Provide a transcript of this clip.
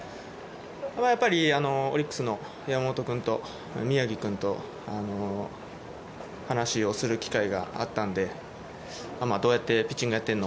やっぱりオリックスの山本君と宮城君と話をする機会があったのでどうやってピッチングをやってるの？